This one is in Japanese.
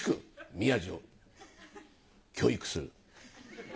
宮治を教育する。